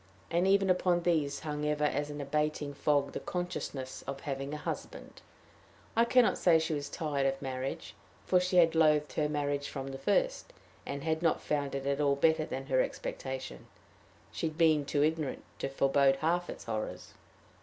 And even upon these hung ever as an abating fog the consciousness of having a husband. I can not say she was tired of marriage, for she had loathed her marriage from the first, and had not found it at all better than her expectation: she had been too ignorant to forebode half its horrors.